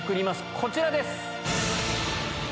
こちらです。